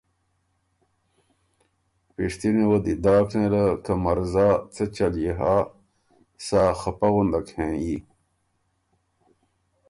پِشتِنه وه دی داک نېله که مرزا څۀ چل يې هۀ سا خپه غندک هېنيي۔